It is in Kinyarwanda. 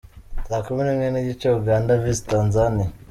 Saa kumi n’imwe n’igice: Uganda vs Tanzania.